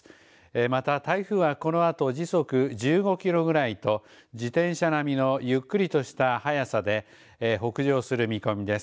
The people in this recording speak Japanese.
また台風はこのあと時速１５キロぐらいと自転車並みののゆっくりとした速さで北上する見込みです。